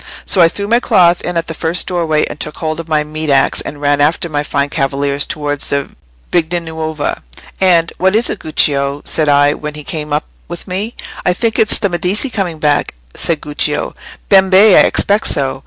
So I threw my cloth in at the first doorway, and took hold of my meat axe and ran after my fine cavaliers towards the Vigna Nuova. And, 'What is it, Guccio?' said I, when he came up with me. 'I think it's the Medici coming back,' said Guccio. Bembè! I expected so!